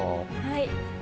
はい。